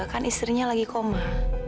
kan istrinya lagi koma